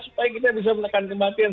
supaya kita bisa menekan kematian